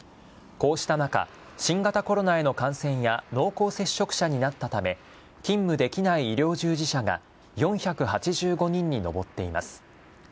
こうした中、新型コロナへの感染や濃厚接触者になったため、勤務できない医療従事者が４８５人に上っています。